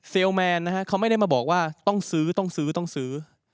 แมนนะฮะเขาไม่ได้มาบอกว่าต้องซื้อต้องซื้อต้องซื้อ